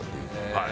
はい。